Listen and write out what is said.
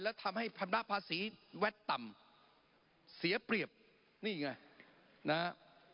และทำให้พำระภาษีแวดต่ำเสียเปรียบนี่ไงนะฮะ